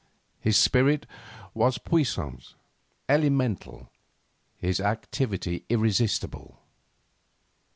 His spirit was puissant, elemental, his activity irresistible.